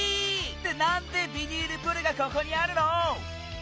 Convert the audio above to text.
ってなんでビニールプールがここにあるの？